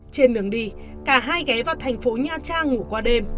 trên đường đi cả hai ghé vào thành phố nha trang ngủ